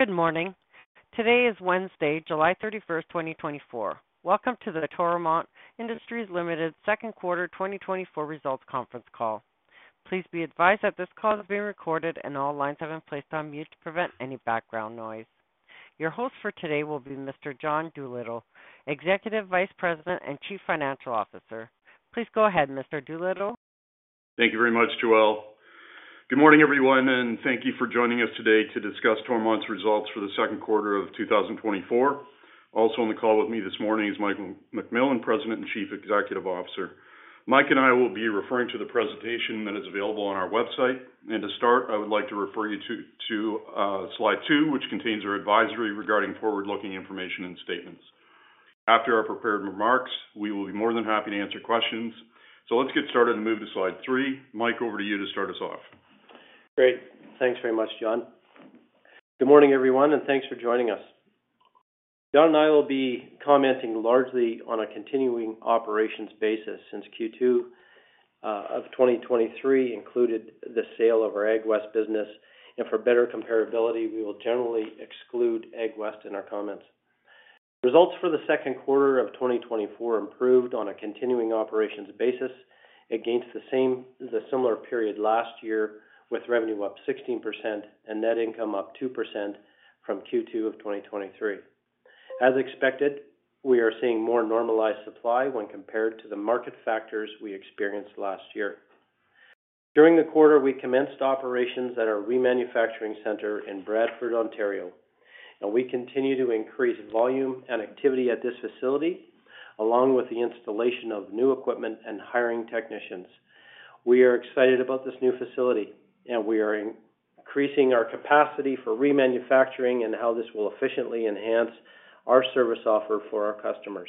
Good morning. Today is Wednesday, July 31, 2024. Welcome to the Toromont Industries Limited second quarter 2024 results conference call. Please be advised that this call is being recorded, and all lines have been placed on mute to prevent any background noise. Your host for today will be Mr. John Doolittle, Executive Vice President and Chief Financial Officer. Please go ahead, Mr. Doolittle. Thank you very much, Joelle. Good morning, everyone, and thank you for joining us today to discuss Toromont's results for the second quarter of 2024. Also on the call with me this morning is Mike McMillan, President and Chief Executive Officer. Mike and I will be referring to the presentation that is available on our website. To start, I would like to refer you to slide 2, which contains our advisory regarding forward-looking information and statements. After our prepared remarks, we will be more than happy to answer questions. So let's get started and move to slide 3. Mike, over to you to start us off. Great. Thanks very much, John. Good morning, everyone, and thanks for joining us. John and I will be commenting largely on a continuing operations basis since Q2 of 2023 included the sale of our AgWest business, and for better comparability, we will generally exclude AgWest in our comments. Results for the second quarter of 2024 improved on a continuing operations basis against the similar period last year, with revenue up 16% and net income up 2% from Q2 of 2023. As expected, we are seeing more normalized supply when compared to the market factors we experienced last year. During the quarter, we commenced operations at our remanufacturing center in Bradford, Ontario, and we continue to increase volume and activity at this facility, along with the installation of new equipment and hiring technicians. We are excited about this new facility, and we are increasing our capacity for remanufacturing and how this will efficiently enhance our service offer for our customers.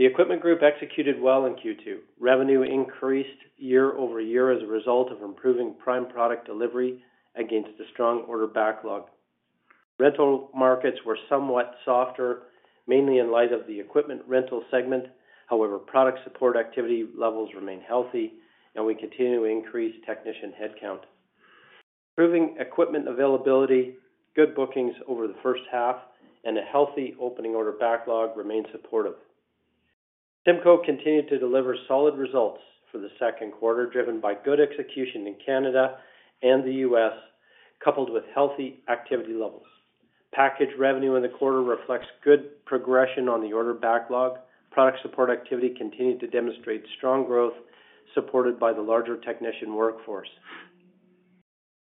The Equipment Group executed well in Q2. Revenue increased year-over-year as a result of improving prime product delivery against a strong order backlog. Rental markets were somewhat softer, mainly in light of the equipment rental segment. However, product support activity levels remain healthy, and we continue to increase technician headcount. Improving equipment availability, good bookings over the first half, and a healthy opening order backlog remain supportive. CIMCO continued to deliver solid results for the second quarter, driven by good execution in Canada and the U.S., coupled with healthy activity levels. Package revenue in the quarter reflects good progression on the order backlog. Product support activity continued to demonstrate strong growth, supported by the larger technician workforce.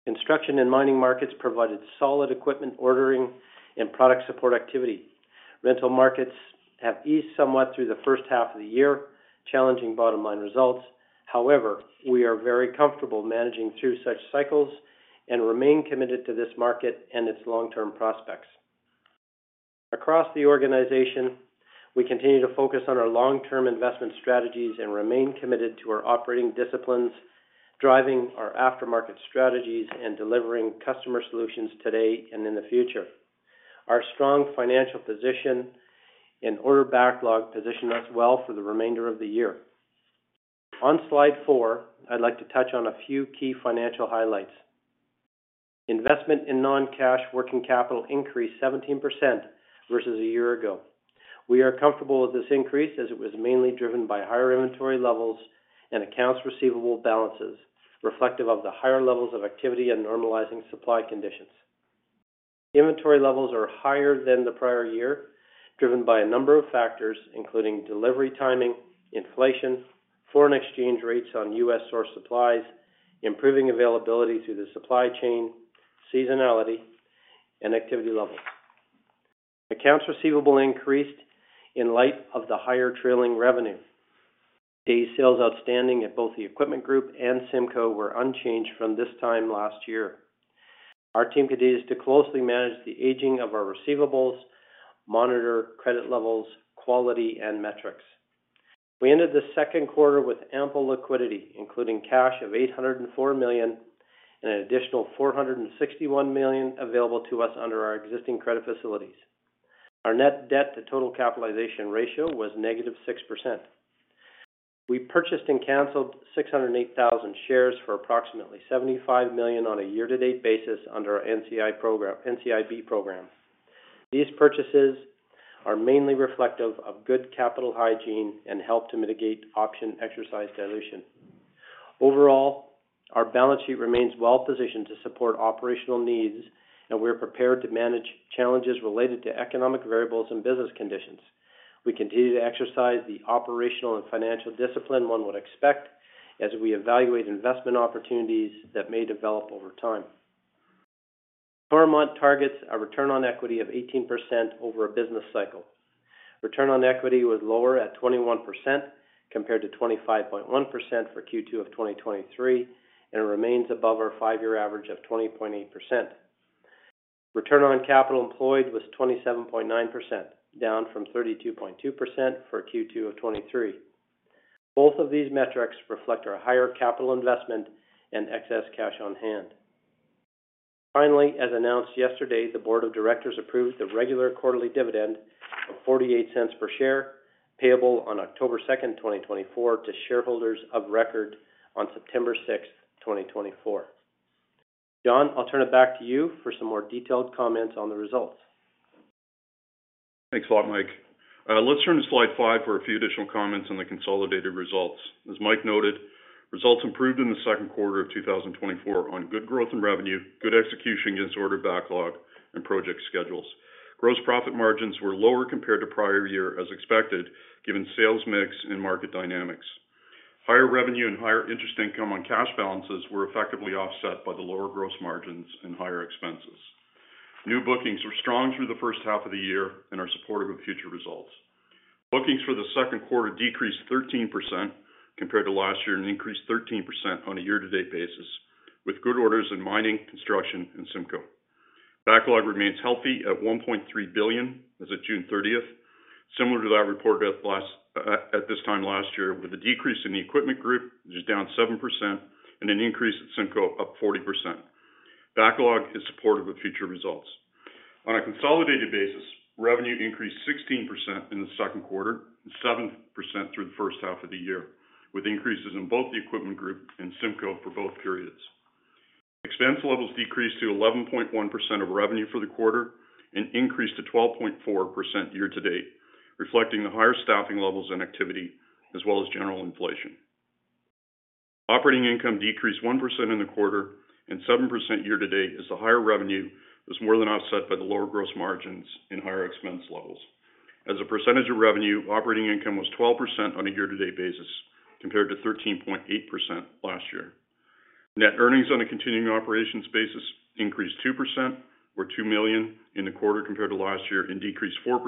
Construction and mining markets provided solid equipment ordering and product support activity. Rental markets have eased somewhat through the first half of the year, challenging bottom-line results. However, we are very comfortable managing through such cycles and remain committed to this market and its long-term prospects. Across the organization, we continue to focus on our long-term investment strategies and remain committed to our operating disciplines, driving our aftermarket strategies and delivering customer solutions today and in the future. Our strong financial position and order backlog position us well for the remainder of the year. On slide 4, I'd like to touch on a few key financial highlights. Investment in non-cash working capital increased 17% versus a year ago. We are comfortable with this increase as it was mainly driven by higher inventory levels and accounts receivable balances, reflective of the higher levels of activity and normalizing supply conditions. Inventory levels are higher than the prior year, driven by a number of factors, including delivery, timing, inflation, foreign exchange rates on U.S. source supplies, improving availability through the supply chain, seasonality, and activity levels. Accounts receivable increased in light of the higher trailing revenue. Day Sales Outstanding at both the Equipment Group and CIMCO were unchanged from this time last year. Our team continues to closely manage the aging of our receivables, monitor credit levels, quality, and metrics. We ended the second quarter with ample liquidity, including cash of 804 million and an additional 461 million available to us under our existing credit facilities. Our Net Debt to Total Capitalization ratio was -6%. We purchased and canceled 608,000 shares for approximately 75 million on a year-to-date basis under our NCIB program. These purchases are mainly reflective of good capital hygiene and help to mitigate option exercise dilution. Overall, our balance sheet remains well positioned to support operational needs, and we are prepared to manage challenges related to economic variables and business conditions. We continue to exercise the operational and financial discipline one would expect as we evaluate investment opportunities that may develop over time. Toromont targets a return on equity of 18% over a business cycle. Return on equity was lower at 21%, compared to 25.1% for Q2 of 2023, and remains above our five-year average of 20.8%. Return on capital employed was 27.9%, down from 32.2% for Q2 of 2023. Both of these metrics reflect our higher capital investment and excess cash on hand. Finally, as announced yesterday, the board of directors approved the regular quarterly dividend of 0.48 per share, payable on October 2nd, 2024 to shareholders of record on September 6th, 2024. John, I'll turn it back to you for some more detailed comments on the results. Thanks a lot, Mike. Let's turn to slide 5 for a few additional comments on the consolidated results. As Mike noted, results improved in the second quarter of 2024 on good growth in revenue, good execution against order backlog, and project schedules. Gross profit margins were lower compared to prior year, as expected, given sales mix and market dynamics. Higher revenue and higher interest income on cash balances were effectively offset by the lower gross margins and higher expenses. New bookings were strong through the first half of the year and are supportive of future results. Bookings for the second quarter decreased 13% compared to last year, and increased 13% on a year-to-date basis, with good orders in mining, construction, and CIMCO. Backlog remains healthy at 1.3 billion as of June 30th, similar to that reported at last, at this time last year, with a decrease in the Equipment Group, which is down 7%, and an increase at CIMCO, up 40%. Backlog is supportive of future results. On a consolidated basis, revenue increased 16% in the second quarter and 7% through the first half of the year, with increases in both the Equipment Group and CIMCO for both periods. Expense levels decreased to 11.1% of revenue for the quarter and increased to 12.4% year to date, reflecting the higher staffing levels and activity, as well as general inflation. Operating income decreased 1% in the quarter and 7% year to date, as the higher revenue was more than offset by the lower gross margins and higher expense levels. As a percentage of revenue, operating income was 12% on a year-to-date basis, compared to 13.8% last year. Net earnings on a continuing operations basis increased 2% or 2 million in the quarter compared to last year, and decreased 4%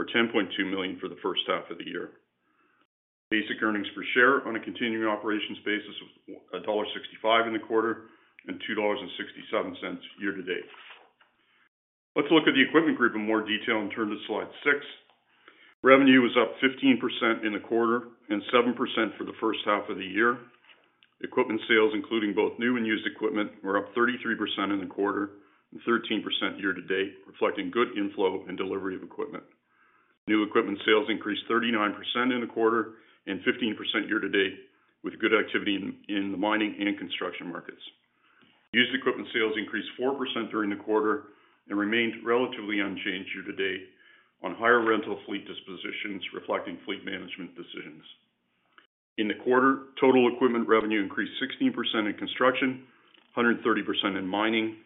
or 10.2 million for the first half of the year. Basic earnings per share on a continuing operations basis was dollar 1.65 in the quarter and 2.67 dollars year to date. Let's look at the Equipment Group in more detail and turn to slide 6. Revenue was up 15% in the quarter and 7% for the first half of the year. Equipment sales, including both new and used equipment, were up 33% in the quarter and 13% year to date, reflecting good inflow and delivery of equipment. New equipment sales increased 39% in the quarter and 15% year to date, with good activity in the mining and construction markets. Used equipment sales increased 4% during the quarter and remained relatively unchanged year to date on higher rental fleet dispositions, reflecting fleet management decisions. In the quarter, total equipment revenue increased 16% in construction, 130% in mining,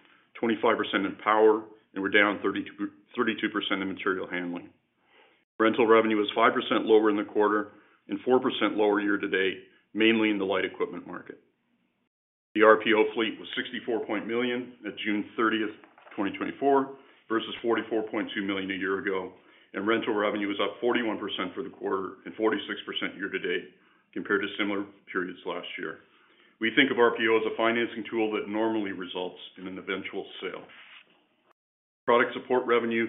25% in power, and were down 32, 32% in material handling. Rental revenue was 5% lower in the quarter and 4% lower year to date, mainly in the light equipment market. The RPO fleet was 64 million at June 30, 2024, versus 44.2 million a year ago, and rental revenue was up 41% for the quarter and 46% year to date compared to similar periods last year. We think of RPO as a financing tool that normally results in an eventual sale. Product support revenue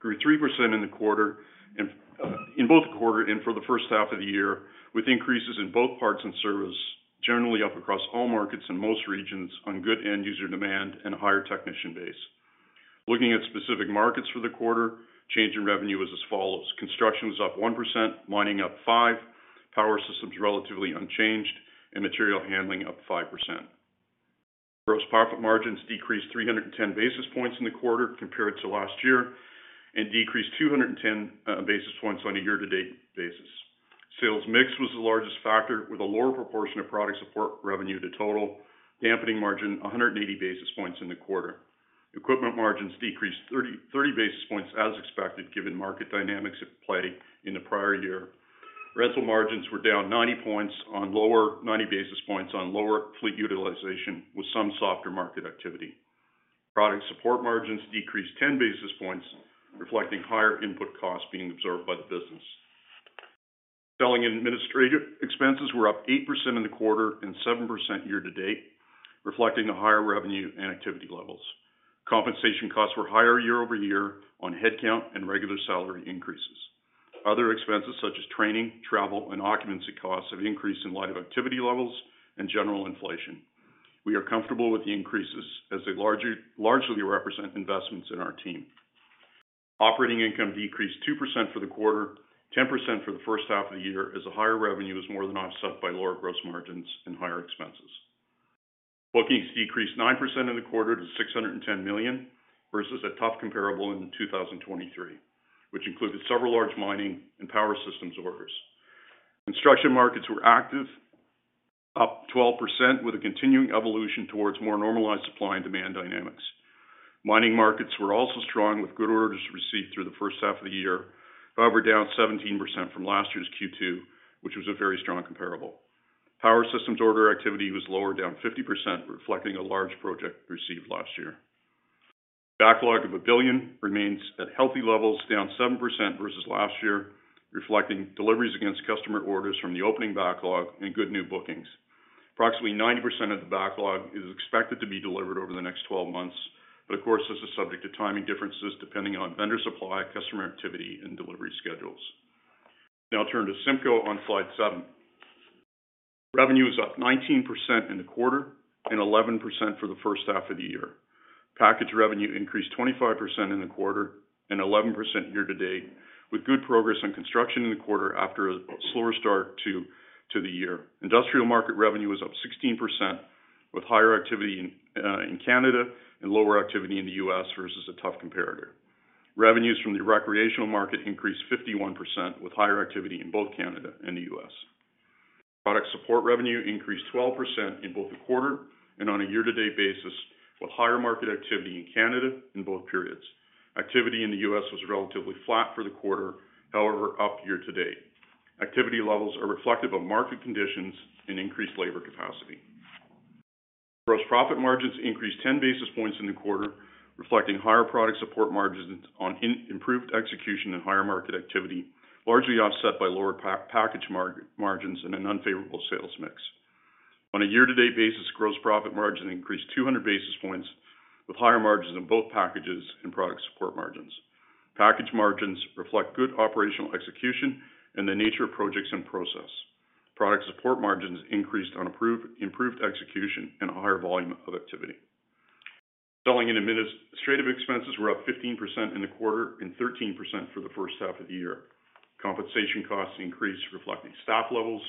grew 3% in the quarter and in both the quarter and for the first half of the year, with increases in both parts and service, generally up across all markets and most regions on good end user demand and a higher technician base. Looking at specific markets for the quarter, change in revenue was as follows: construction was up 1%, mining up 5%, power systems relatively unchanged, and material handling up 5%. Gross profit margins decreased 310 basis points in the quarter compared to last year, and decreased 210 basis points on a year-to-date basis. Sales mix was the largest factor, with a lower proportion of product support revenue to total, dampening margin 100 basis points in the quarter. Equipment margins decreased 30 basis points as expected, given market dynamics at play in the prior year. Rental margins were down 90 basis points on lower fleet utilization, with some softer market activity. Product support margins decreased 10 basis points, reflecting higher input costs being absorbed by the business. Selling and administrative expenses were up 8% in the quarter and 7% year-to-date, reflecting the higher revenue and activity levels. Compensation costs were higher year-over-year on headcount and regular salary increases. Other expenses, such as training, travel, and occupancy costs, have increased in light of activity levels and general inflation. We are comfortable with the increases as they largely represent investments in our team. Operating income decreased 2% for the quarter, 10% for the first half of the year, as the higher revenue was more than offset by lower gross margins and higher expenses. Bookings decreased 9% in the quarter to 610 million, versus a tough comparable in 2023, which included several large mining and power systems orders. Construction markets were active, up 12%, with a continuing evolution towards more normalized supply and demand dynamics. Mining markets were also strong, with good orders received through the first half of the year, however, down 17% from last year's Q2, which was a very strong comparable. Power Systems order activity was lower, down 50%, reflecting a large project received last year. Backlog of 1 billion remains at healthy levels, down 7% versus last year, reflecting deliveries against customer orders from the opening backlog and good new bookings. Approximately 90% of the backlog is expected to be delivered over the next 12 months, but of course, this is subject to timing differences depending on vendor supply, customer activity, and delivery. Now turn to CIMCO on slide 7. Revenue is up 19% in the quarter and 11% for the first half of the year. Package revenue increased 25% in the quarter and 11% year-to-date, with good progress on construction in the quarter after a slower start to the year. Industrial market revenue was up 16%, with higher activity in Canada and lower activity in the U.S. versus a tough comparator. Revenues from the recreational market increased 51%, with higher activity in both Canada and the US. Product support revenue increased 12% in both the quarter and on a year-to-date basis, with higher market activity in Canada in both periods. Activity in the US was relatively flat for the quarter, however, up year-to-date. Activity levels are reflective of market conditions and increased labor capacity. Gross profit margins increased 10 basis points in the quarter, reflecting higher product support margins on improved execution and higher market activity, largely offset by lower package margins and an unfavorable sales mix. On a year-to-date basis, gross profit margin increased 200 basis points, with higher margins in both packages and product support margins. Package margins reflect good operational execution and the nature of projects in process. Product support margins increased on improved execution and a higher volume of activity. Selling and administrative expenses were up 15% in the quarter and 13% for the first half of the year. Compensation costs increased, reflecting staff levels,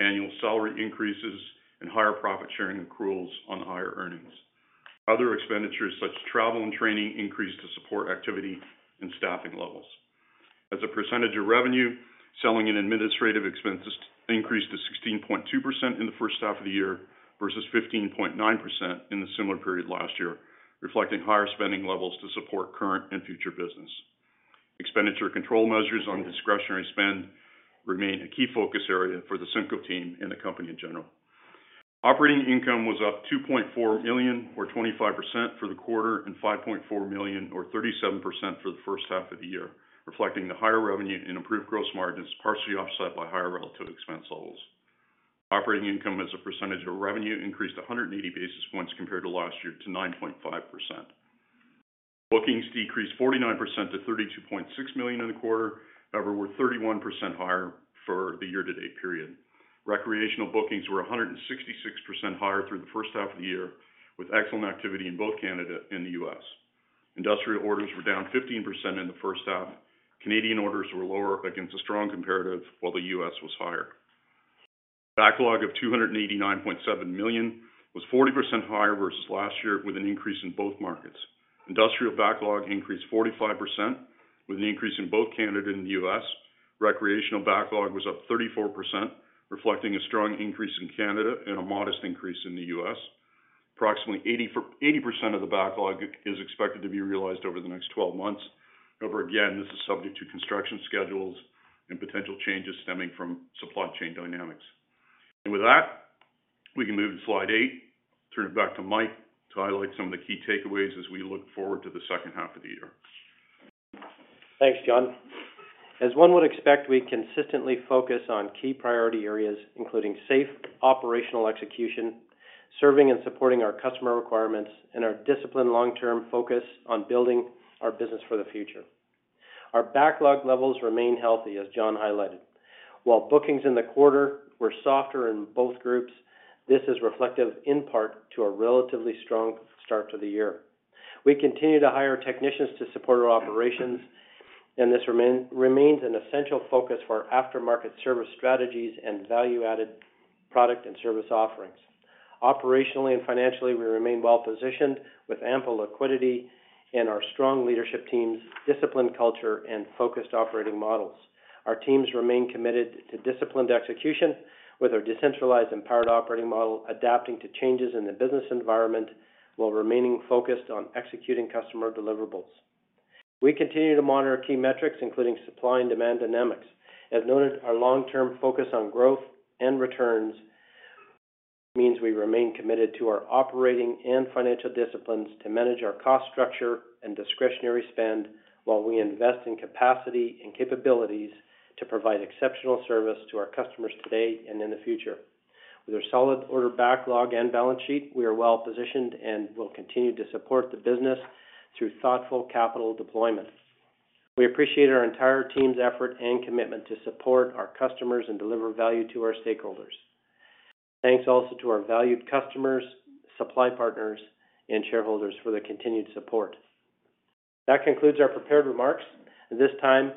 annual salary increases, and higher profit sharing accruals on higher earnings. Other expenditures, such as travel and training, increased to support activity and staffing levels. As a percentage of revenue, selling and administrative expenses increased to 16.2% in the first half of the year, versus 15.9% in the similar period last year, reflecting higher spending levels to support current and future business. Expenditure control measures on discretionary spend remain a key focus area for the CIMCO team and the company in general. Operating income was up 2.4 million, or 25%, for the quarter, and 5.4 million, or 37%, for the first half of the year, reflecting the higher revenue and improved gross margins, partially offset by higher relative expense levels. Operating income as a percentage of revenue increased 180 basis points compared to last year to 9.5%. Bookings decreased 49% to 32.6 million in the quarter, however, were 31% higher for the year-to-date period. Recreational bookings were 166% higher through the first half of the year, with excellent activity in both Canada and the U.S. Industrial orders were down 15% in the first half. Canadian orders were lower against a strong comparative, while the U.S. was higher. Backlog of 289.7 million was 40% higher versus last year, with an increase in both markets. Industrial backlog increased 45%, with an increase in both Canada and the US. Recreational backlog was up 34%, reflecting a strong increase in Canada and a modest increase in the US. Approximately 80% of the backlog is expected to be realized over the next twelve months. However, again, this is subject to construction schedules and potential changes stemming from supply chain dynamics. With that, we can move to slide 8, turn it back to Mike to highlight some of the key takeaways as we look forward to the second half of the year. Thanks, John. As one would expect, we consistently focus on key priority areas, including safe operational execution, serving and supporting our customer requirements, and our disciplined long-term focus on building our business for the future. Our backlog levels remain healthy, as John highlighted. While bookings in the quarter were softer in both groups, this is reflective in part to a relatively strong start to the year. We continue to hire technicians to support our operations, and this remains an essential focus for our aftermarket service strategies and value-added product and service offerings. Operationally and financially, we remain well-positioned with ample liquidity and our strong leadership team's disciplined culture and focused operating models. Our teams remain committed to disciplined execution with our decentralized, empowered operating model, adapting to changes in the business environment while remaining focused on executing customer deliverables. We continue to monitor key metrics, including supply and demand dynamics. As noted, our long-term focus on growth and returns means we remain committed to our operating and financial disciplines to manage our cost structure and discretionary spend, while we invest in capacity and capabilities to provide exceptional service to our customers today and in the future. With a solid order backlog and balance sheet, we are well positioned and will continue to support the business through thoughtful capital deployment. We appreciate our entire team's effort and commitment to support our customers and deliver value to our stakeholders. Thanks also to our valued customers, supply partners, and shareholders for their continued support. That concludes our prepared remarks. At this time,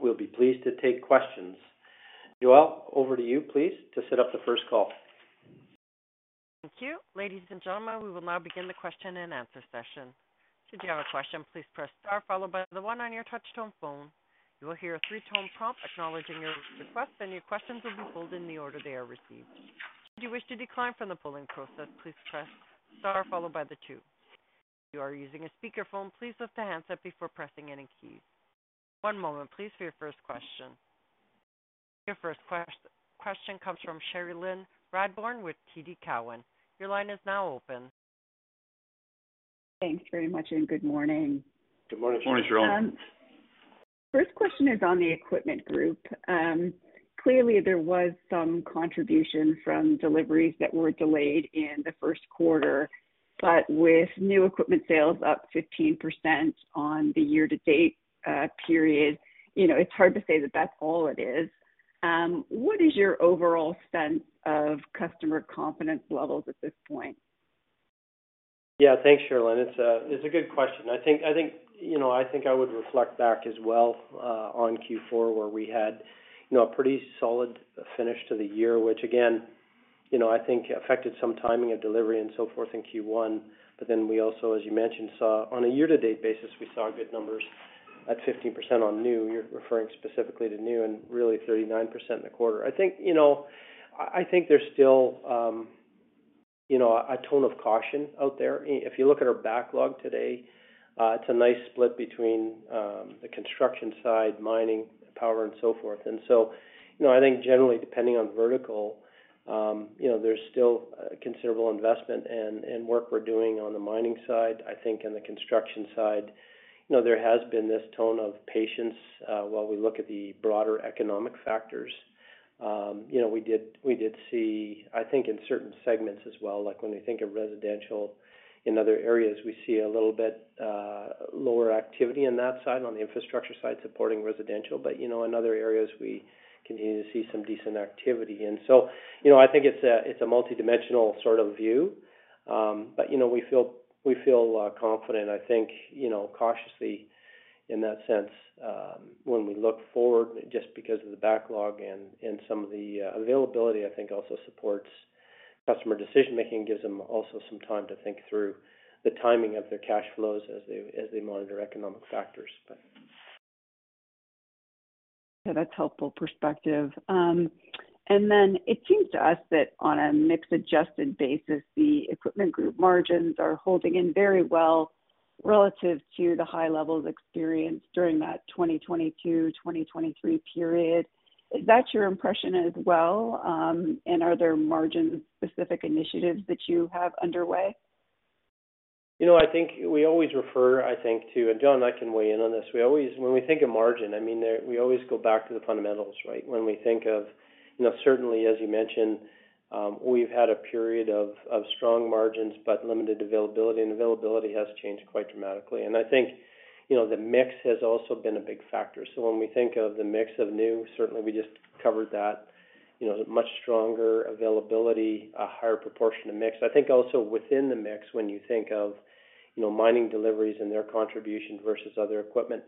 we'll be pleased to take questions. Joelle, over to you, please, to set up the first call. Thank you. Ladies and gentlemen, we will now begin the question-and-answer session. Should you have a question, please press star followed by the one on your touchtone phone. You will hear a three-tone prompt acknowledging your request, and your questions will be pulled in the order they are received. If you wish to decline from the polling process, please press star followed by the two. If you are using a speakerphone, please lift the handset before pressing any keys. One moment, please, for your first question. Your first question comes from Cherilyn Radbourne with TD Cowen. Your line is now open. Thanks very much, and good morning. Good morning. Good morning, Cherilyn. First question is on the equipment group. Clearly, there was some contribution from deliveries that were delayed in the first quarter. But with new equipment sales up 15% on the year-to-date period, you know, it's hard to say that that's all it is. What is your overall sense of customer confidence levels at this point? Yeah, thanks, Cherilyn. It's a good question. I think, you know, I think I would reflect back as well on Q4, where we had, you know, a pretty solid finish to the year, which again, you know, I think affected some timing of delivery and so forth in Q1. But then we also, as you mentioned, saw on a year-to-date basis, we saw good numbers at 15% on new. You're referring specifically to new and really 39% in the quarter. I think, you know, I think there's still, you know, a tone of caution out there. If you look at our backlog today, it's a nice split between the construction side, mining, power, and so forth. And so, you know, I think generally, depending on vertical, you know, there's still considerable investment and work we're doing on the mining side. I think in the construction side, you know, there has been this tone of patience while we look at the broader economic factors. You know, we did see, I think in certain segments as well, like when you think of residential, in other areas, we see a little bit lower activity in that side, on the infrastructure side, supporting residential. But, you know, in other areas, we continue to see some decent activity. And so, you know, I think it's a multidimensional sort of view. But, you know, we feel confident. I think, you know, cautiously in that sense, when we look forward, just because of the backlog and some of the availability, I think, also supports customer decision-making, gives them also some time to think through the timing of their cash flows as they monitor economic factors, but. Yeah, that's helpful perspective. And then it seems to us that on a mix-adjusted basis, the Equipment Group margins are holding in very well relative to the high levels experienced during that 2022, 2023 period. Is that your impression as well, and are there margin-specific initiatives that you have underway? You know, I think we always refer, I think, to—and John, I can weigh in on this. We always—when we think of margin, I mean, there, we always go back to the fundamentals, right? When we think of, you know, certainly, as you mentioned, we've had a period of strong margins, but limited availability, and availability has changed quite dramatically. And I think, you know, the mix has also been a big factor. So when we think of the mix of new, certainly we just covered that, you know, much stronger availability, a higher proportion of mix. I think also within the mix, when you think of, you know, mining deliveries and their contribution versus other equipment,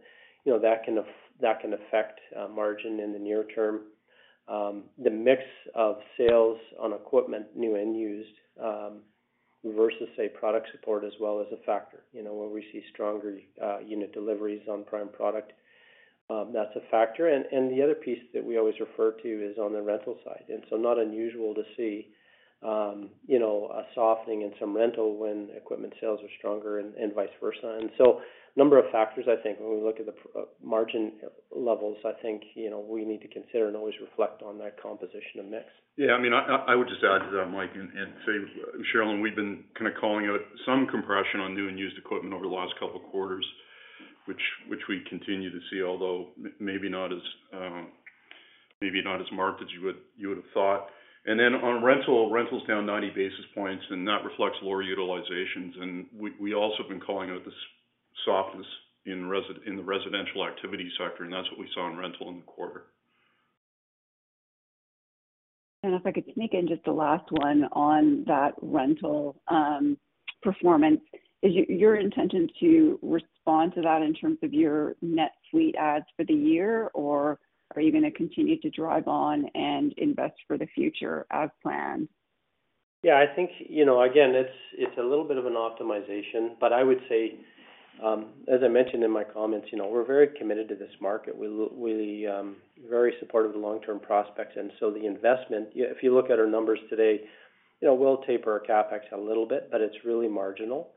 you know, that can affect margin in the near term. The mix of sales on equipment, new and used, versus, say, product support as well as a factor. You know, where we see stronger unit deliveries on prime product, that's a factor. And the other piece that we always refer to is on the rental side. And so not unusual to see, you know, a softening in some rental when equipment sales are stronger and vice versa. And so number of factors, I think, when we look at the margin levels, I think, you know, we need to consider and always reflect on that composition of mix. Yeah, I mean, I would just add to that, Mike, and say, Cherilyn, we've been kind of calling out some compression on new and used equipment over the last couple of quarters, which we continue to see, although maybe not as marked as you would have thought. And then on rental, rental's down 90 basis points, and that reflects lower utilizations. And we also have been calling out this softness in residential activity sector, and that's what we saw in rental in the quarter. If I could sneak in just the last one on that rental performance. Is your intention to respond to that in terms of your net fleet adds for the year, or are you gonna continue to drive on and invest for the future as planned? Yeah, I think, you know, again, it's a little bit of an optimization, but I would say, as I mentioned in my comments, you know, we're very committed to this market. We very supportive of the long-term prospects, and so the investment, if you look at our numbers today, you know, we'll taper our CapEx a little bit, but it's really marginal.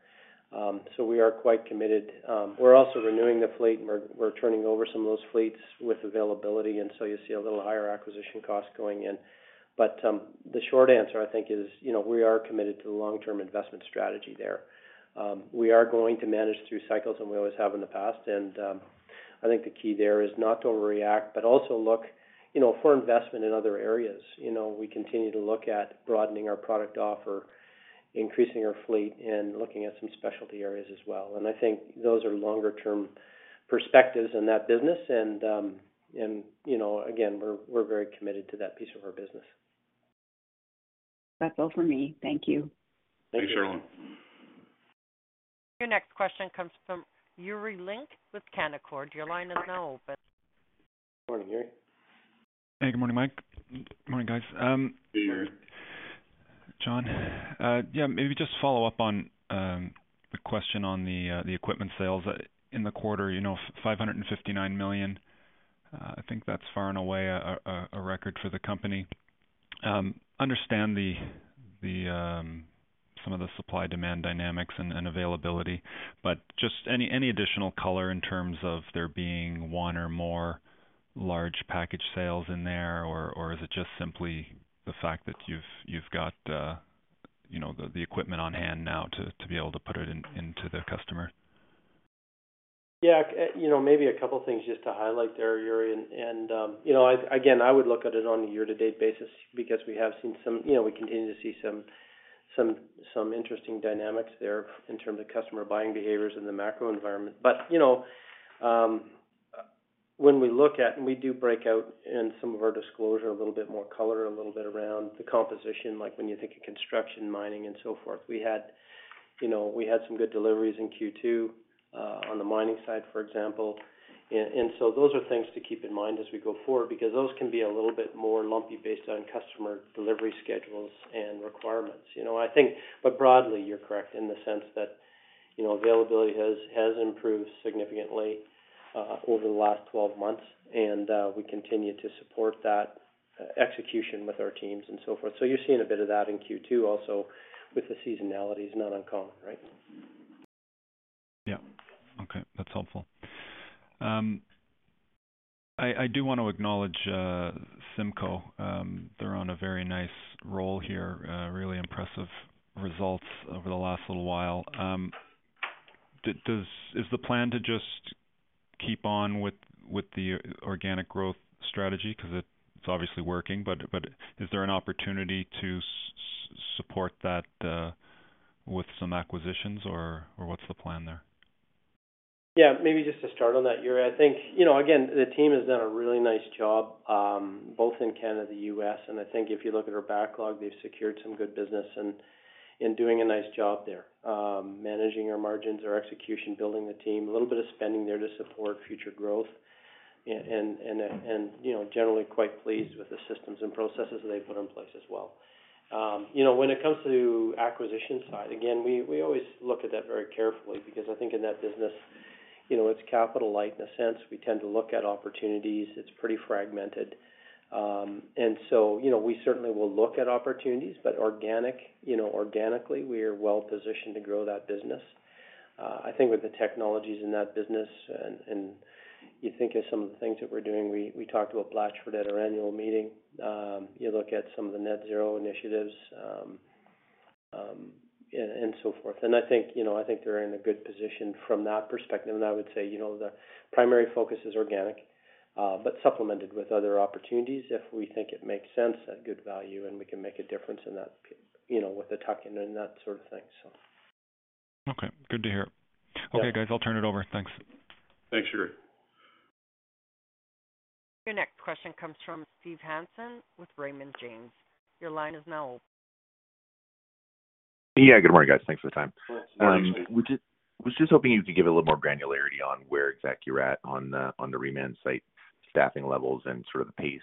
So we are quite committed. We're also renewing the fleet, and we're turning over some of those fleets with availability, and so you see a little higher acquisition cost going in. But the short answer, I think, is, you know, we are committed to the long-term investment strategy there. We are going to manage through cycles, and we always have in the past. I think the key there is not to overreact, but also look, you know, for investment in other areas. You know, we continue to look at broadening our product offer, increasing our fleet, and looking at some specialty areas as well. And I think those are longer-term perspectives in that business, and, you know, again, we're very committed to that piece of our business. That's all for me. Thank you. Thank you, Cherilyn. Your next question comes from Yuri Lynk with Canaccord. Your line is now open. Morning, Yuri. Hey, good morning, Mike. Morning, guys, Hey, Yuri. John. Yeah, maybe just follow up on the question on the equipment sales. In the quarter, you know, 559 million, I think that's far and away a record for the company. Understand the some of the supply-demand dynamics and availability, but just any additional color in terms of there being one or more large package sales in there, or is it just simply the fact that you've got, you know, the equipment on hand now to be able to put it into the customer?... Yeah, you know, maybe a couple things just to highlight there, Yuri. And, you know, I, again, I would look at it on a year-to-date basis because we have seen some... You know, we continue to see some interesting dynamics there in terms of customer buying behaviors in the macro environment. But, you know, when we look at, and we do break out in some of our disclosure, a little bit more color, a little bit around the composition, like when you think of construction, mining, and so forth. We had, you know, we had some good deliveries in Q2, on the mining side, for example. And, so those are things to keep in mind as we go forward, because those can be a little bit more lumpy based on customer delivery schedules and requirements. You know, I think, but broadly, you're correct in the sense that, you know, availability has improved significantly over the last 12 months, and we continue to support that execution with our teams and so forth. So you're seeing a bit of that in Q2 also, with the seasonality is not uncommon, right? Yeah. Okay, that's helpful. I do want to acknowledge CIMCO. They're on a very nice roll here, really impressive results over the last little while. Is the plan to just keep on with the organic growth strategy? Because it's obviously working, but is there an opportunity to support that with some acquisitions, or what's the plan there? Yeah, maybe just to start on that, Yuri. I think, you know, again, the team has done a really nice job, both in Canada, and the U.S., and I think if you look at our backlog, they've secured some good business and doing a nice job there. Managing our margins, our execution, building the team, a little bit of spending there to support future growth, and you know, generally quite pleased with the systems and processes they've put in place as well. You know, when it comes to acquisition side, again, we always look at that very carefully because I think in that business, you know, it's capital light in a sense. We tend to look at opportunities. It's pretty fragmented. And so, you know, we certainly will look at opportunities, but organic, you know, organically, we are well positioned to grow that business. I think with the technologies in that business and you think of some of the things that we're doing, we talked about Blatchford at our annual meeting. You look at some of the net zero initiatives and so forth. And I think, you know, I think they're in a good position from that perspective. And I would say, you know, the primary focus is organic, but supplemented with other opportunities, if we think it makes sense at good value and we can make a difference in that, you know, with the tuck-in and that sort of thing, so. Okay, good to hear. Yeah. Okay, guys, I'll turn it over. Thanks. Thanks, Yuri. Your next question comes from Steve Hansen with Raymond James. Your line is now open. Yeah. Good morning, guys. Thanks for the time. Yes, good morning, Steve. I was just hoping you could give a little more granularity on where exactly you're at on the remansite, staffing levels, and sort of the pace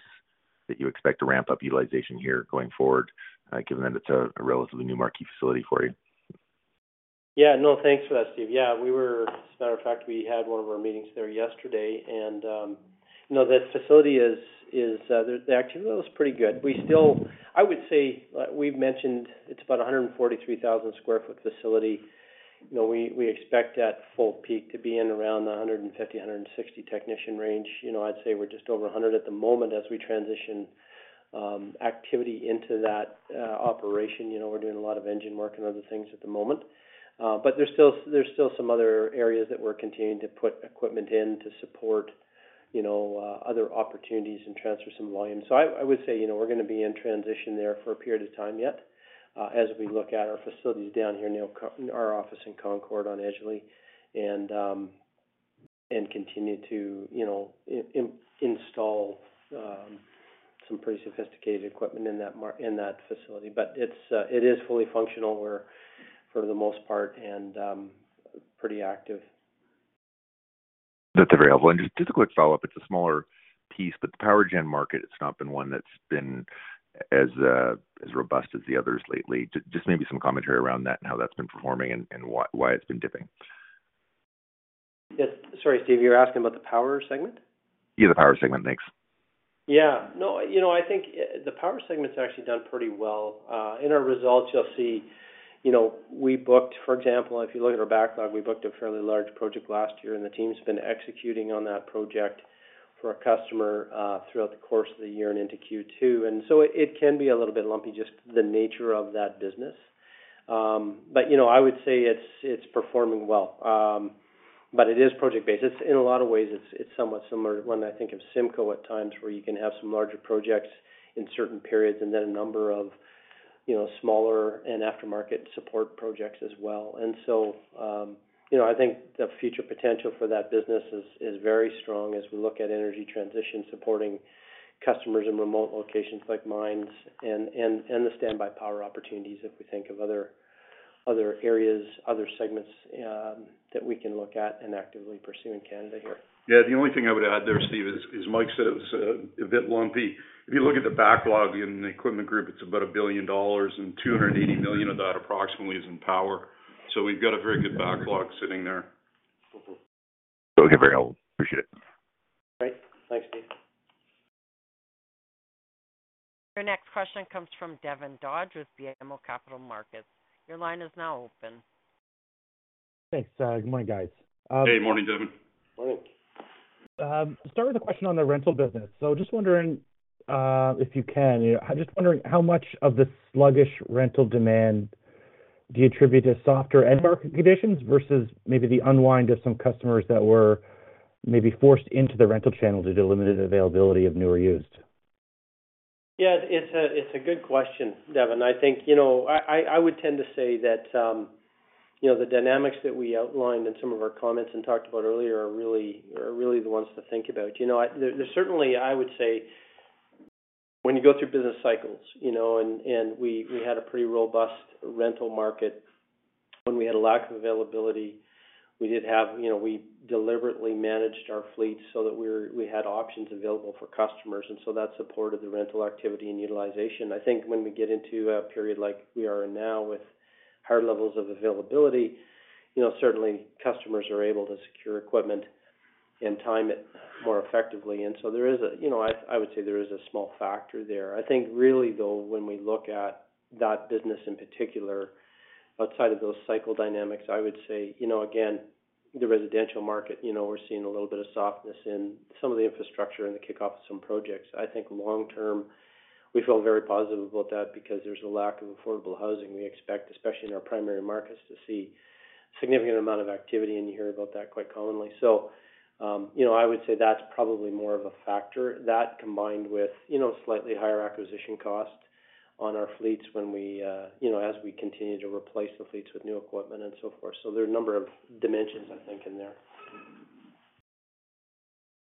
that you expect to ramp up utilization here going forward, given that it's a relatively new marquee facility for you? Yeah. No, thanks for that, Steve. Yeah, we were... As a matter of fact, we had one of our meetings there yesterday, and, you know, that facility is, the activity was pretty good. We still. I would say, we've mentioned it's about 143,000 sq ft facility. You know, we, we expect that full peak to be in around the 150-160 technician range. You know, I'd say we're just over 100 at the moment as we transition, activity into that, operation. You know, we're doing a lot of engine work and other things at the moment. But there's still, there's still some other areas that we're continuing to put equipment in to support, you know, other opportunities and transfer some volume. So, I would say, you know, we're gonna be in transition there for a period of time yet, as we look at our facilities down here in our office in Concord, on Edgeley, and continue to, you know, install some pretty sophisticated equipment in that facility. But it's, it is fully functional where for the most part, and pretty active. That's very helpful. Just a quick follow-up. It's a smaller piece, but the power gen market, it's not been one that's been as, as robust as the others lately. Just maybe some commentary around that and how that's been performing and, and why, why it's been dipping. Yes. Sorry, Steve, you're asking about the power segment? Yeah, the power segment. Thanks. Yeah. No, you know, I think, the power segment's actually done pretty well. In our results, you'll see, you know, we booked, for example, if you look at our backlog, we booked a fairly large project last year, and the team's been executing on that project for a customer, throughout the course of the year and into Q2. And so it, it can be a little bit lumpy, just the nature of that business. But, you know, I would say it's, it's performing well. But it is project-based. It's, in a lot of ways, it's, it's somewhat similar to when I think of CIMCO at times, where you can have some larger projects in certain periods, and then a number of, you know, smaller and aftermarket support projects as well. And so, you know, I think the future potential for that business is very strong as we look at energy transition, supporting customers in remote locations like mines and the standby power opportunities, if we think of other areas, other segments that we can look at and actively pursue in Canada here. Yeah, the only thing I would add there, Steve, is Mike said it was a bit lumpy. If you look at the backlog in the Equipment Group, it's about 1 billion dollars, and 280 million of that approximately is in power. So we've got a very good backlog sitting there. Okay, very helpful. Appreciate it. Great. Thanks, Steve. Your next question comes from Devin Dodge with BMO Capital Markets. Your line is now open. Thanks. Good morning, guys. Hey, morning, Devin. Hello.... Start with a question on the rental business. Just wondering, if you can, you know, I'm just wondering, how much of the sluggish rental demand do you attribute to softer end market conditions versus maybe the unwind of some customers that were maybe forced into the rental channel due to limited availability of new or used? Yeah, it's a good question, Devin. I think, you know, I would tend to say that, you know, the dynamics that we outlined in some of our comments and talked about earlier are really the ones to think about. You know, there certainly, I would say, when you go through business cycles, you know, and we had a pretty robust rental market. When we had a lack of availability, we did have... You know, we deliberately managed our fleet so that we had options available for customers, and so that supported the rental activity and utilization. I think when we get into a period like we are now with higher levels of availability, you know, certainly customers are able to secure equipment and time it more effectively. And so there is a. You know, I would say there is a small factor there. I think really, though, when we look at that business, in particular, outside of those cycle dynamics, I would say, you know, again, the residential market, you know, we're seeing a little bit of softness in some of the infrastructure and the kickoff of some projects. I think long term, we feel very positive about that because there's a lack of affordable housing. We expect, especially in our primary markets, to see significant amount of activity, and you hear about that quite commonly. So, you know, I would say that's probably more of a factor. That combined with, you know, slightly higher acquisition costs on our fleets when we, you know, as we continue to replace the fleets with new equipment and so forth. So there are a number of dimensions, I think, in there.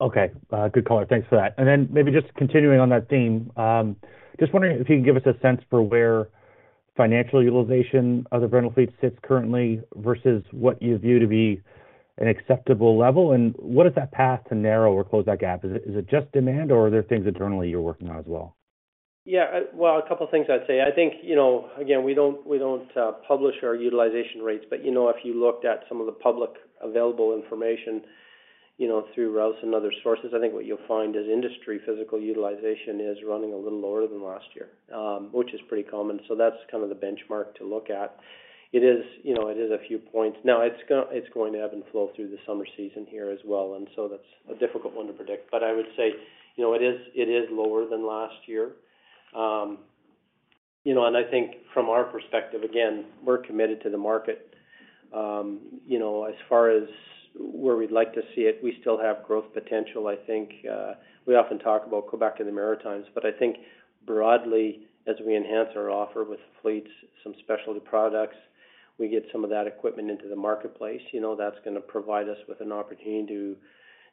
Okay, good call. Thanks for that. And then maybe just continuing on that theme, just wondering if you can give us a sense for where financial utilization of the rental fleet sits currently versus what you view to be an acceptable level, and what is that path to narrow or close that gap? Is it, is it just demand, or are there things internally you're working on as well? Yeah, well, a couple of things I'd say. I think, you know, again, we don't publish our utilization rates, but, you know, if you looked at some of the publicly available information, you know, through Reuters and other sources, I think what you'll find is industry physical utilization is running a little lower than last year, which is pretty common. So that's kind of the benchmark to look at. It is, you know, it is a few points. Now, it's going to ebb and flow through the summer season here as well, and so that's a difficult one to predict. But I would say, you know, it is, it is lower than last year. You know, and I think from our perspective, again, we're committed to the market. You know, as far as where we'd like to see it, we still have growth potential. I think, we often talk about go back to the Maritimes, but I think broadly, as we enhance our offer with fleets, some specialty products, we get some of that equipment into the marketplace, you know, that's gonna provide us with an opportunity to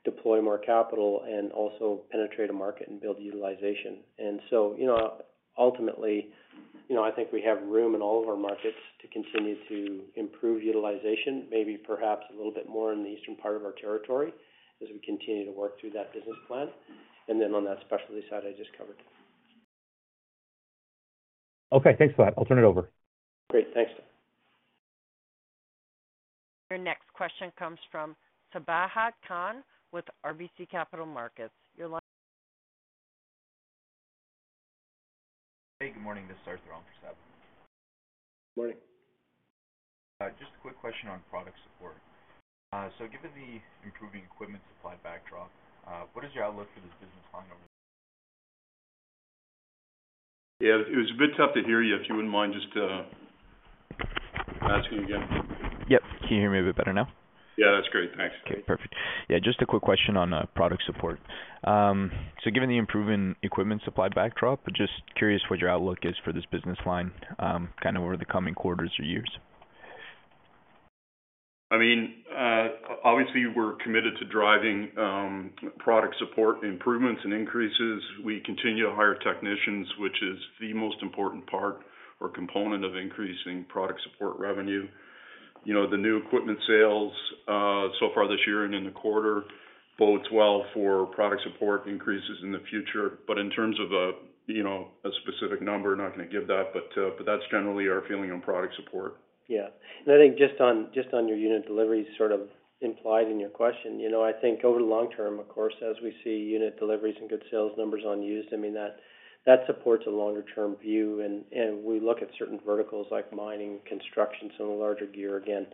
deploy more capital and also penetrate a market and build utilization. And so, you know, ultimately, you know, I think we have room in all of our markets to continue to improve utilization, maybe perhaps a little bit more in the eastern part of our territory, as we continue to work through that business plan, and then on that specialty side I just covered. Okay, thanks for that. I'll turn it over. Great. Thanks. Your next question comes from Sabahat Khan with RBC Capital Markets. Your line- Hey, good morning, this is Arthur on for Sabahat. Good morning. Just a quick question on product support. Given the improving equipment supply backdrop, what is your outlook for this business line? Yeah, it was a bit tough to hear you. If you wouldn't mind, just asking again? Yep. Can you hear me a bit better now? Yeah, that's great. Thanks. Okay, perfect. Yeah, just a quick question on product support. So given the improving equipment supply backdrop, just curious what your outlook is for this business line, kind of over the coming quarters or years? I mean, obviously, we're committed to driving product support improvements and increases. We continue to hire technicians, which is the most important part or component of increasing product support revenue. You know, the new equipment sales so far this year and in the quarter bodes well for product support increases in the future. But in terms of a, you know, a specific number, not gonna give that, but, but that's generally our feeling on product support. Yeah. And I think just on, just on your unit delivery sort of implied in your question, you know, I think over the long term, of course, as we see unit deliveries and good sales numbers on used, I mean, that, that supports a longer-term view, and, and we look at certain verticals like mining, construction, some of the larger gear. Again,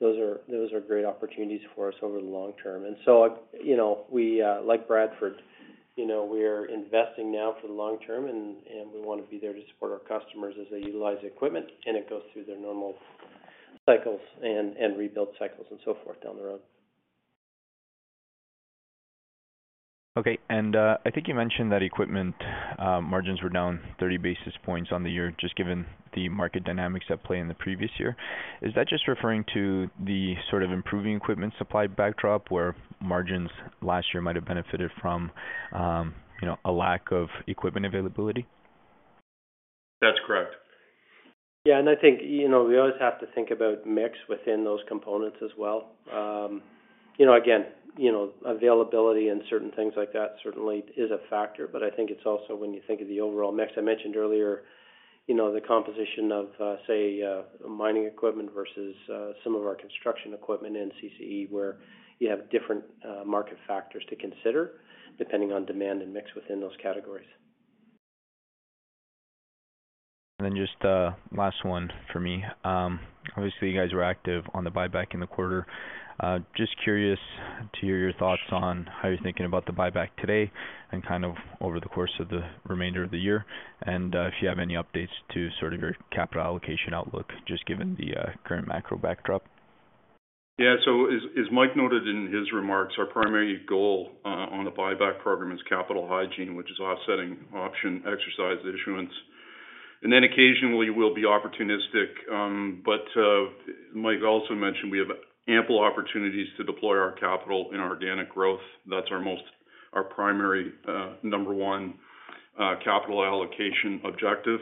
those are, those are great opportunities for us over the long term. And so, you know, we, like Bradford, you know, we're investing now for the long term, and, and we want to be there to support our customers as they utilize the equipment and it goes through their normal cycles and, and rebuild cycles and so forth down the road. Okay, and I think you mentioned that equipment margins were down 30 basis points on the year, just given the market dynamics at play in the previous year. Is that just referring to the sort of improving equipment supply backdrop, where margins last year might have benefited from, you know, a lack of equipment availability? That's correct. Yeah, and I think, you know, we always have to think about mix within those components as well. You know, again, you know, availability and certain things like that certainly is a factor, but I think it's also when you think of the overall mix. I mentioned earlier, you know, the composition of, say, mining equipment versus some of our construction equipment in CCE, where you have different market factors to consider depending on demand and mix within those categories. And then just, last one for me. Obviously, you guys were active on the buyback in the quarter. Just curious to hear your thoughts on how you're thinking about the buyback today and kind of over the course of the remainder of the year, and if you have any updates to sort of your capital allocation outlook, just given the current macro backdrop. Yeah, so as Mike noted in his remarks, our primary goal on the buyback program is capital hygiene, which is offsetting option exercise issuance. And then occasionally, we'll be opportunistic. But Mike also mentioned we have ample opportunities to deploy our capital in organic growth. That's our most - our primary, number one, capital allocation objective.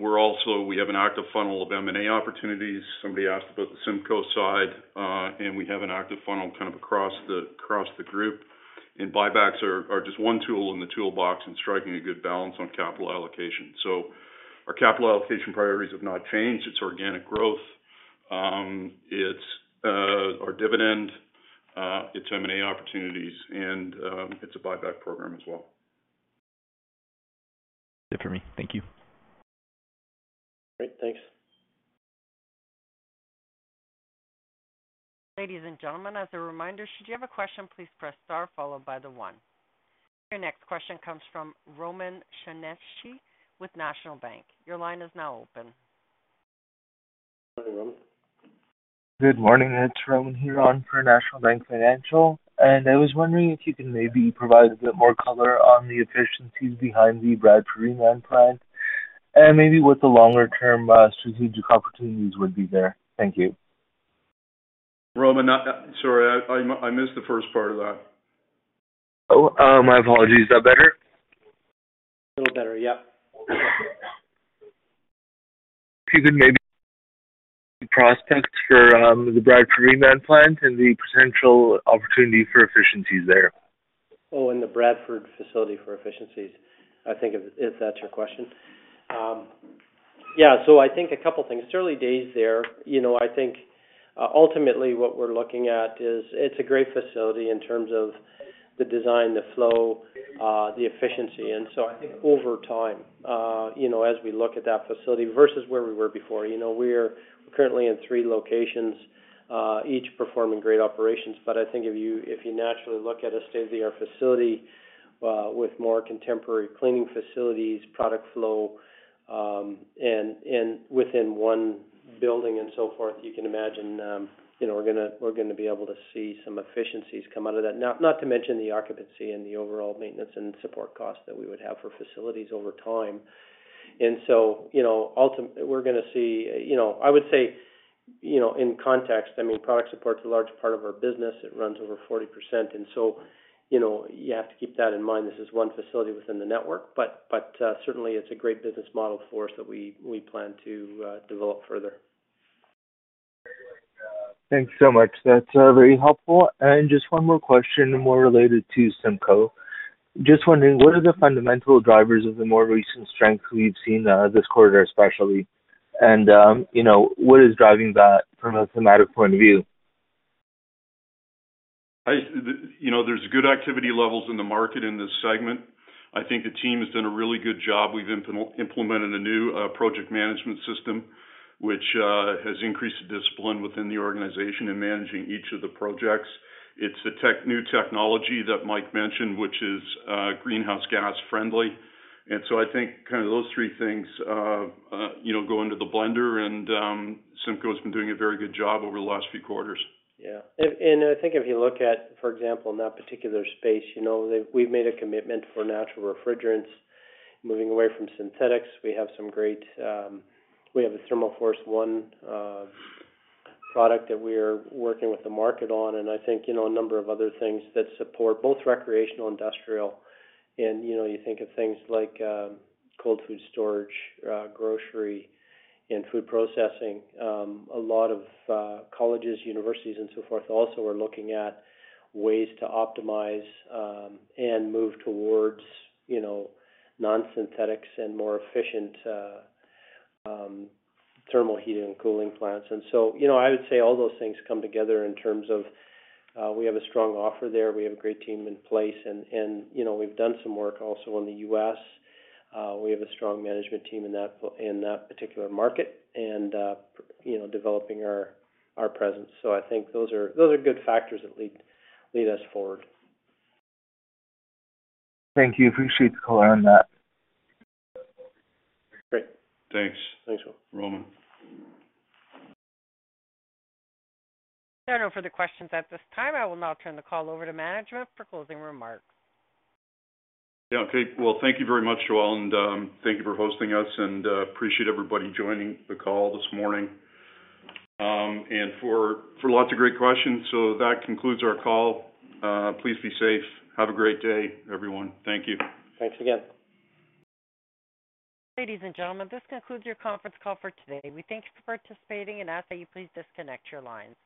We're also we have an active funnel of M&A opportunities. Somebody asked about the CIMCO side, and we have an active funnel kind of across the group. And buybacks are just one tool in the toolbox and striking a good balance on capital allocation. So our capital allocation priorities have not changed. It's organic growth, it's our dividend, it's M&A opportunities, and it's a buyback program as well. Good for me. Thank you. Great. Thanks. Ladies and gentlemen, as a reminder, should you have a question, please press star followed by the one. Your next question comes from Roman Pshenychnyi with National Bank. Your line is now open. Hi, Roman. Good morning, it's Roman here on for National Bank Financial, and I was wondering if you could maybe provide a bit more color on the efficiencies behind the Bradford Reman plant, and maybe what the longer-term strategic opportunities would be there. Thank you. Roman, sorry, I missed the first part of that. Oh, my apologies. Is that better? A little better, yep. If you could maybe prospects for the Bradford Reman plant and the potential opportunity for efficiencies there? Oh, in the Bradford facility for efficiencies, I think if that's your question. Yeah, so I think a couple things. It's early days there. You know, I think ultimately what we're looking at is, it's a great facility in terms of the design, the flow, the efficiency. And so I think over time, you know, as we look at that facility versus where we were before, you know, we're currently in three locations, each performing great operations. But I think if you naturally look at a state-of-the-art facility, with more contemporary cleaning facilities, product flow, and within one building and so forth, you can imagine, you know, we're gonna be able to see some efficiencies come out of that. Not to mention the occupancy and the overall maintenance and support costs that we would have for facilities over time. And so, you know, we're gonna see, you know. I would say, you know, in context, I mean, product support is a large part of our business. It runs over 40%. And so, you know, you have to keep that in mind. This is one facility within the network, but certainly it's a great business model for us that we plan to develop further. Thanks so much. That's very helpful. And just one more question, more related to CIMCO. Just wondering, what are the fundamental drivers of the more recent strength we've seen this quarter, especially? And you know, what is driving that from a thematic point of view? You know, there's good activity levels in the market in this segment. I think the team has done a really good job. We've implemented a new project management system, which has increased the discipline within the organization in managing each of the projects. It's a new technology that Mike mentioned, which is greenhouse gas friendly. And so I think kind of those three things, you know, go into the blender, and CIMCO's been doing a very good job over the last few quarters. Yeah. And I think if you look at, for example, in that particular space, you know, that we've made a commitment for natural refrigerants, moving away from synthetics. We have a Thermal Force One product that we are working with the market on, and I think, you know, a number of other things that support both recreational and industrial. And, you know, you think of things like, cold food storage, grocery, and food processing. A lot of colleges, universities, and so forth, also are looking at ways to optimize and move towards, you know, non-synthetics and more efficient thermal heating and cooling plants. And so, you know, I would say all those things come together in terms of, we have a strong offer there. We have a great team in place, and you know, we've done some work also in the U.S. We have a strong management team in that particular market and, you know, developing our presence. So I think those are good factors that lead us forward. Thank you. Appreciate the color on that. Great. Thanks. Thanks, Roman. There are no further questions at this time. I will now turn the call over to management for closing remarks. Yeah, okay. Well, thank you very much, Joelle, and thank you for hosting us, and appreciate everybody joining the call this morning, and for lots of great questions. So that concludes our call. Please be safe. Have a great day, everyone. Thank you. Thanks again. Ladies and gentlemen, this concludes your conference call for today. We thank you for participating and ask that you please disconnect your lines.